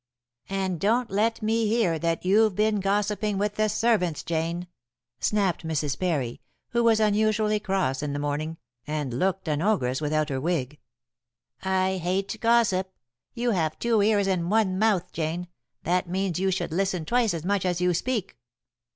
"And don't let me hear that you've been gossiping with the servants, Jane," snapped Mrs. Parry, who was unusually cross in the morning, and looked an ogress without her wig. "I hate gossip. You have two ears and one mouth, Jane; that means you should listen twice as much as you speak."